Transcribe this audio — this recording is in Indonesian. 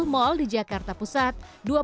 dua puluh mal di jakarta pusat